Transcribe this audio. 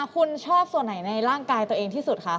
คุณชอบส่วนไหนในร่างกายตัวเองที่สุดคะ